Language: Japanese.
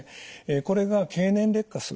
これが経年劣化する。